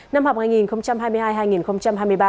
năm học hai nghìn hai mươi hai hai nghìn hai mươi ba